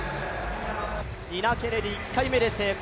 ニナ・ケネディ、１回目で成功。